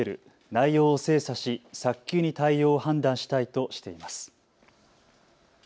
内容を精査し早急に対応を判断したいとしています。